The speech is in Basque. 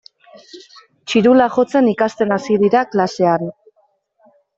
Txirula jotzen ikasten hasi dira klasean.